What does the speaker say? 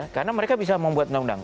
karena mereka bisa membuat undang undang